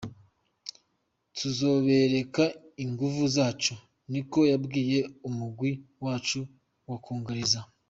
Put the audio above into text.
"Tuzobereka inguvu zacu!", niko yabwiye umugwi wacu mu congereza.